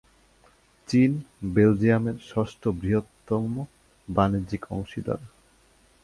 চীন, বেলজিয়ামের ষষ্ঠ বৃহত্তম বাণিজ্যিক অংশীদার।